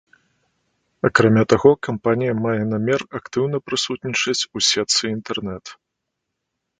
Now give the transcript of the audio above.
Акрамя таго, кампанія мае намер актыўна прысутнічаць у сетцы інтэрнэт.